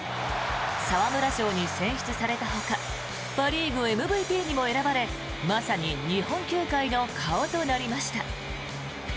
沢村賞に選出されたほかパ・リーグＭＶＰにも選ばれまさに日本球界の顔となりました。